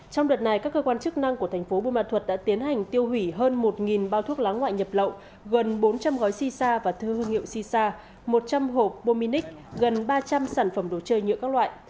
trong đợt này các cơ quan chức năng tp bùi ma thuật đã tiến hành tiêu hủy hơn một bao thuốc lá ngoại nhập lậu gần bốn trăm linh gói sisa và thư hương nghiệu sisa một trăm linh hộp bominix gần ba trăm linh sản phẩm đồ chơi nhựa các loại